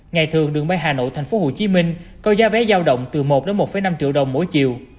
ngày thường đường bay hà nội thành phố hồ chí minh coi giá vé giao động từ một một năm triệu đồng mỗi chiều